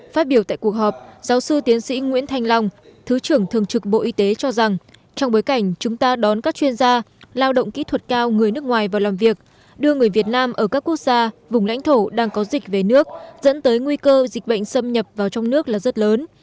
phát biểu tại cuộc họp giáo sư tiến sĩ nguyễn thanh long thứ trưởng thường trực bộ y tế cho rằng trong bối cảnh chúng ta đón các chuyên gia lao động kỹ thuật cao người nước ngoài vào làm việc đưa người việt nam ở các quốc gia vùng lãnh thổ đang có dịch về nước dẫn tới nguy cơ dịch bệnh xâm nhập vào trong nước là rất lớn